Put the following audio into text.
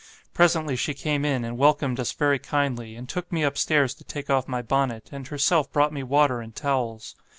Presently she came in, and welcomed us very kindly, and took me upstairs to take off my bonnet, and herself brought me water and towels.